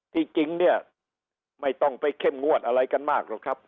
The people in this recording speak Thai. จริงเนี่ยไม่ต้องไปเข้มงวดอะไรกันมากหรอกครับ